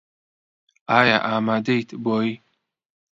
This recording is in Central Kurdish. ئایا ئامادەیت بۆی؟